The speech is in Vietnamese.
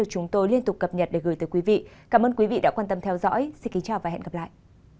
cảm ơn các bạn đã theo dõi và hẹn gặp lại